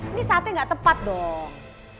ini saatnya gak tepat dong